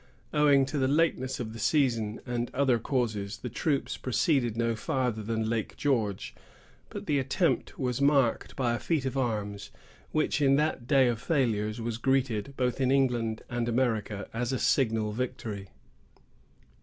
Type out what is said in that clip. Owing to the lateness of the season, and other causes, the troops proceeded no farther than Lake George; but the attempt was marked by a feat of arms, which, in that day of failures, was greeted, both in England and America, as a signal victory.